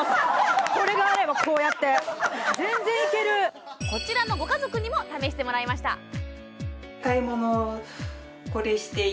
これがあればこうやって全然いけるこちらのご家族にも試してもらいました